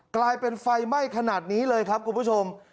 กลายเป็นไฟไหม้ขนาดนี้เลยครับคุณผู้ชม